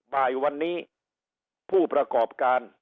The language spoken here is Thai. บ่ายวันนี้ผู้ประกอบการ